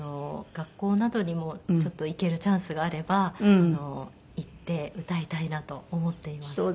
学校などにもちょっと行けるチャンスがあれば行って歌いたいなと思っています。